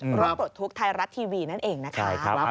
รถปลดทุกข์ไทยรัฐทีวีนั่นเองนะคะ